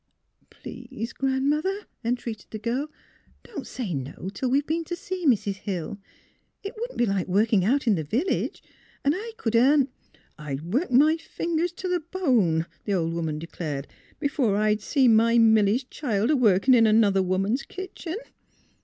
^' Please, Gran 'mother," entreated the girl, *' don't say no till we've been to see Mrs. Hill. It wouldn 't be like working out in the village, and I could earn " ''I'd work my fingers t' the bone," the old woman declared, " before I'd see my Milly 's child a workin' in another woman's kitchen!